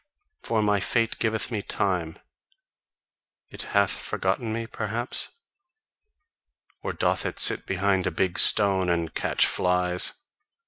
For my fate giveth me time: it hath forgotten me perhaps? Or doth it sit behind a big stone and catch flies?